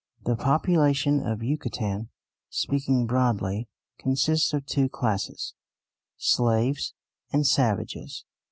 The population of Yucatan, speaking broadly, consists of two classes, slaves and savages.